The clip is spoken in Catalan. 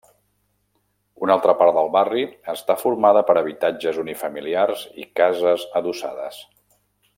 Una altra part del barri està formada per habitatges unifamiliars i cases adossades.